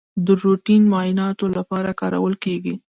د روټین معایناتو لپاره کارول کیږي.